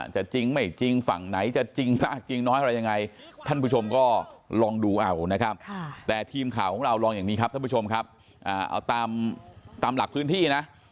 จะจริงไม่จริงฝั่งไหนจะจริงมากจริงน้อยอะไรยังไง